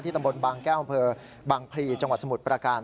ที่ตำบลบางแก้วบางพลีจังหวัดสมุทรประการ